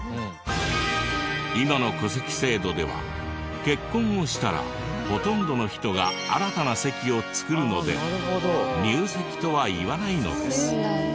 今の戸籍制度では結婚をしたらほとんどの人が新たな籍を作るので入籍とは言わないのです。